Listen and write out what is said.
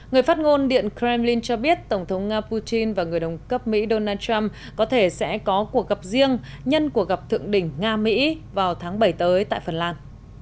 người phát ngôn điện kremlin cho biết tổng thống nga putin và người đồng cấp mỹ donald trump có thể sẽ có cuộc gặp riêng nhân cuộc gặp thượng đỉnh nga mỹ vào tháng bảy tới tại phần lan